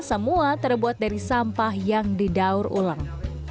semua terbuat dari sampah yang didaur ulang